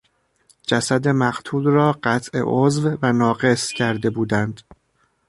جسد مقتول را قطع عضو و ناقص کرده بودند.